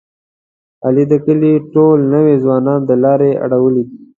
علي د کلي ټول نوی ځوانان د لارې اړولي دي.